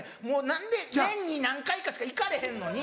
何で年に何回かしか行かれへんのに。